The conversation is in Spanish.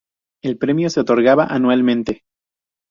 El premio se otorgaba anualmente.